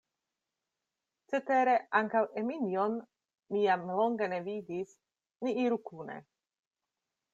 Cetere ankaŭ Eminjon mi jam longe ne vidis, ni iru kune.